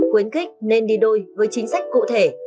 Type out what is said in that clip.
khuyến khích nên đi đôi với chính sách cụ thể